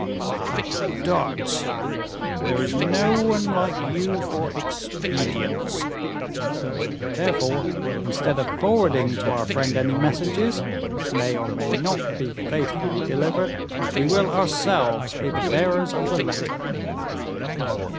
"Ah! D'Artagnan, there is no one like you for expedients." "Therefore, instead of forwarding to our friend any messages, which may or may not be faithfully delivered, we will ourselves be the bearers of the letter."